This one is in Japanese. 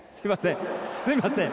すいません。